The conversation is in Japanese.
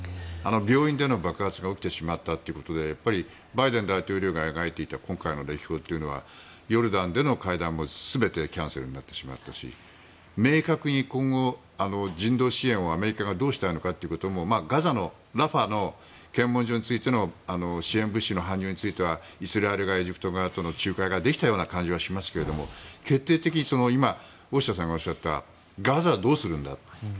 病院での爆発が起きてしまったということでバイデン大統領が描いていた今回の歴訪というのはヨルダンでの会談も全てキャンセルになってしまったし明確に今後、人道支援をアメリカがどうしたいのかということもガザのラファの検問所についての支援物資の搬入についてはイスラエル側、エジプト側との仲介ができたような感じがしますが、決定的に今、大下さんがおっしゃったガザはどうするんだと。